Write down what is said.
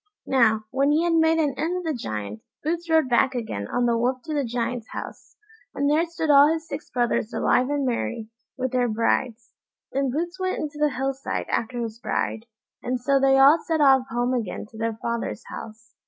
Now, when he had made an end of the Giant, Boots rode back again on the Wolf to the Giant's house, and there stood all his six brothers alive and merry, with their brides. Then Boots went into the hill side after his bride, and so they all set off home again to their father's house.